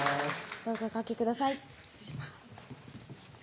どうぞおかけください